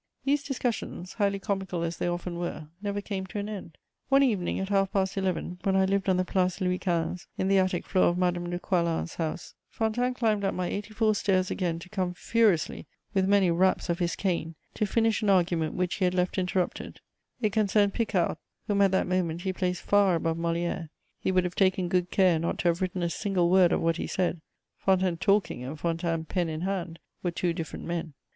These discussions, highly comical as they often were, never came to an end: one evening, at half past eleven, when I lived on the Place Louis XV., in the attic floor of Madame de Coislin's house, Fontanes climbed up my eighty four stairs again to come furiously, with many raps of his cane, to finish an argument which he had left interrupted: it concerned Picard, whom at that moment he placed far above Molière; he would have taken good care not to have written a single word of what he said: Fontanes talking and Fontanes pen in hand were two different men.